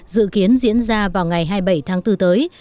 dự kiến diễn ra vào ngày hai mươi bảy tháng bốn tới